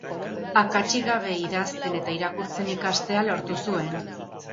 Akatsik gabe idazten eta irakurtzen ikastea lortu zuen.